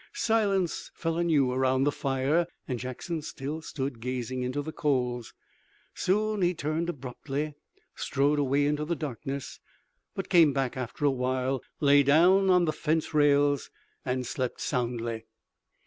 Silence fell anew around the fire, and Jackson still stood, gazing into the coals. Soon, he turned abruptly, strode away into the darkness, but came back after a while, lay down on the fence rails and slept soundly.